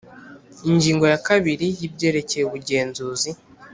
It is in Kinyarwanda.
Ingingo ya kabiri y’ Ibyerekeye ubugenzuzi